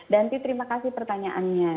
danti terima kasih pertanyaannya